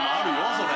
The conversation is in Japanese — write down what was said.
それ。